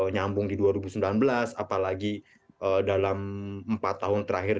nyambung di dua ribu sembilan belas apalagi dalam empat tahun terakhir